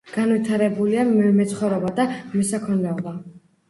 განვითარებულია მეცხვარეობა და მესაქონლეობა.